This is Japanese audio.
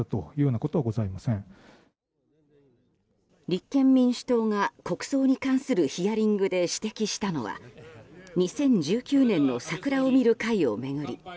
立憲民主党が国葬に関するヒアリングで指摘したのは２０１９年の桜を見る会を巡り